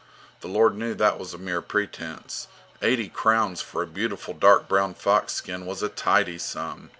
The Lord knew that was mere pretence. Eighty crowns for a beautiful, dark brown fox skin was a tidy sum!